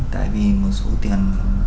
tại vì một số tiền